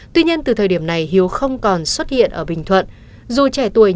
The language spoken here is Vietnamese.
tuy nhiên từ thời điểm này hiếu không còn xuất hiện ở bình thuận